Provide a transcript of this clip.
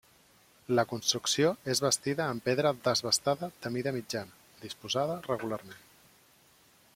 La construcció és bastida amb pedra desbastada de mida mitjana, disposada regularment.